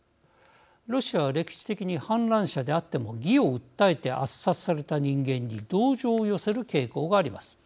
ロシアは歴史的に反乱者であっても義を訴えて圧殺された人間に同情を寄せる傾向があります。